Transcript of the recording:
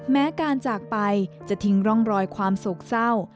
แม้การจากไปจะทิ้งร่องรอยความโศกเศร้า